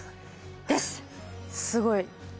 すごい。